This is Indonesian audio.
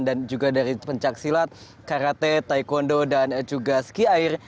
dan juga dari pencak silat karate taekwondo dan juga ski air